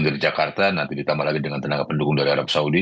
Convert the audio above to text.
dari jakarta nanti ditambah lagi dengan tenaga pendukung dari arab saudi